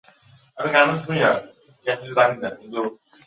ভারতে ই-কমার্স বাজার ছোট থেকে যাওয়ার অন্যতম কারণ হলো ইন্টারনেটের নিম্ন ব্যবহার।